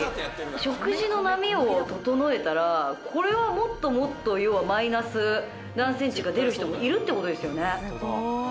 食事の波を整えたらこれはもっともっと要はマイナス何センチが出る人もいるって事ですよね。